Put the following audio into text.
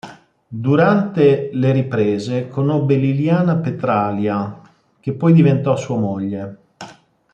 Durante le riprese conobbe Liliana Petralia che poi diventò sua moglie.